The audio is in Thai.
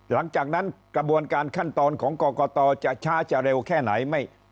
หลังจากนั้นกระบวนการขั้นตอนของกรกตจะช้าจะเร็วแค่ไหน